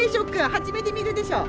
初めて見るでしょう。